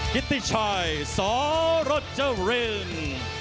คิดทิชัยสรรรจริง